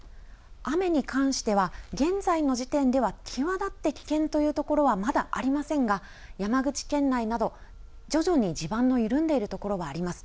雨に関しては、現在の時点では際立って危険というところはまだありませんが、山口県内など、徐々に地盤の緩んでいるところはあります。